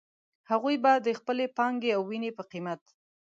هغوی به د خپلې پانګې او وينې په قيمت.